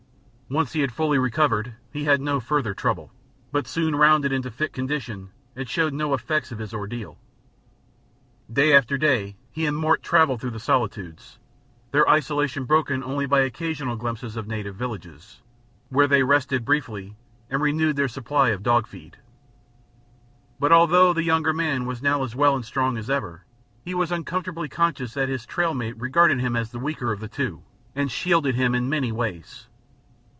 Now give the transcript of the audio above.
Once he had fully recovered he had no further trouble, but soon rounded into fit condition and showed no effects of his ordeal. Day after day he and Mort traveled through the solitudes, their isolation broken only by occasional glimpses of native villages, where they rested briefly and renewed their supply of dog feed. But although the younger man was now as well and strong as ever, he was uncomfortably conscious that his trail mate regarded him as the weaker of the two and shielded him in many ways.